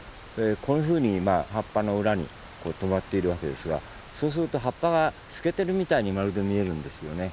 こういうふうに葉っぱの裏に止まっているわけですがそうすると葉っぱが透けてるみたいにまるで見えるんですよね。